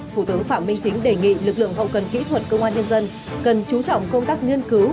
thủ tướng phạm minh chính đề nghị lực lượng hậu cần kỹ thuật công an nhân dân cần chú trọng công tác nghiên cứu